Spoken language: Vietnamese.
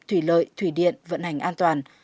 thủy lợi thủy điện vận hành an toàn